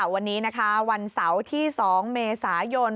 วันนี้นะคะวันเสาร์ที่๒เมษายน